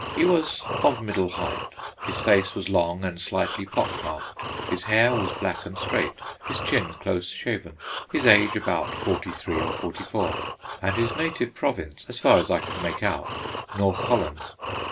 He was of middle height, his face was long and slightly pock marked, his hair was black and straight, his chin close shaven, his age about forty three or forty four, and his native province, as far as I could make out, North Holland.